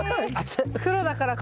黒だからか。